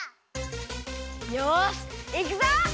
よしいくぞ！